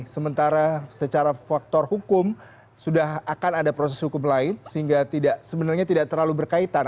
sementara secara faktor hukum sudah akan ada proses hukum lain sehingga sebenarnya tidak terlalu berkaitan